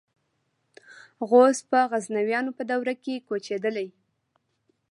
غوز په غزنویانو په دوره کې کوچېدلي.